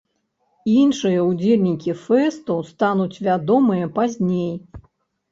Іншыя ўдзельнікі фэсту стануць вядомыя пазней.